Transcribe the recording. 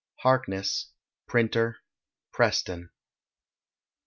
Harkness, Printer, Preston.